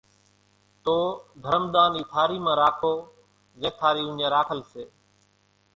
تو ڌرم ۮان اِي ٿارِي مان راکو زين ٿارِي اُوڃان راکل سي،